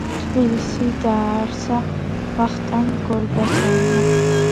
თბილი დაარსა ვახტანგ გორგასალმა